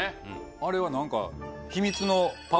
あれは何か。